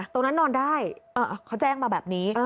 ตรงนั้นนอนได้เขาแจ้งมาแบบนี้